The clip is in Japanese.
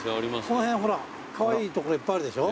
この辺ほらカワイイ所いっぱいあるでしょ。